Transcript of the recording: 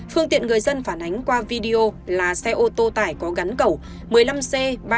phương tiện người dân phản ánh qua video là xe ô tô tải có gắn cầu một mươi năm c ba mươi nghìn tám trăm hai mươi ba